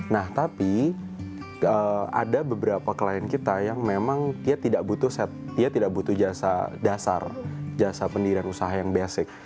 nah tapi ada beberapa klien kita yang memang dia tidak butuh jasa dasar jasa pendirian usaha yang basic